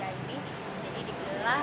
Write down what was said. jadi di belah